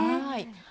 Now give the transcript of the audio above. はい。